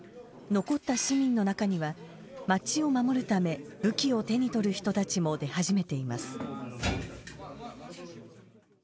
残った市民の中には街を守るため武器を手に取る人たちも出始めています。